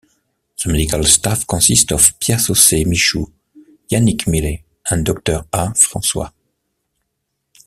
The medical staff consists of Pierre-Saucet Michou, Yannick Millet and Doctor A. Francois.